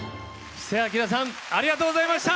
布施明さんありがとうございました。